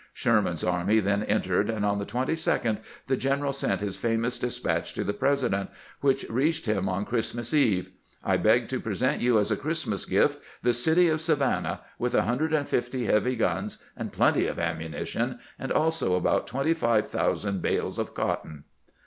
Sherman's army then entered, and on the 22d the general sent his famous despatch to the Presi dent, which reached him on Christmas eve: "I beg to present you as a Christmas gift the city of Savannah, with 150 heavy guns and plenty of ammunition, and also about 25,000 bales of cotton."